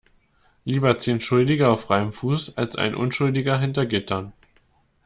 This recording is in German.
Lieber zehn Schuldige auf freiem Fuß als ein Unschuldiger hinter Gittern.